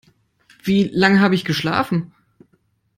Wie lange habe ich geschlafen?